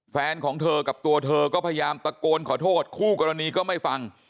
แฟนของเธอกับตัวเธอก็พยายามตะโกนขอโทษคู่กรณีก็ไม่ฟัง